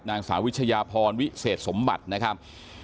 นางสาววิชยาพรวิเศษสมบัตินะครับ